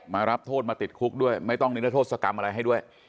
มารับโทษมาติดคุกด้วยไม่ต้องนิรโทษกรรมอะไรให้ด้วย